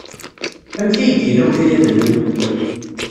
Amek ay d-yella ukayad-nnem?